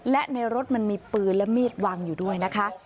และในรถมันมีปืนและมีดวางอยู่ด้วยนะคะ